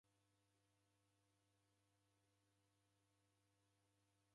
Mumi wake ndeumkunde sena